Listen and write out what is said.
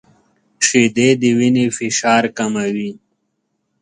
• شیدې د وینې فشار کموي.